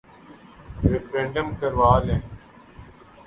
Referendum کروا لیں۔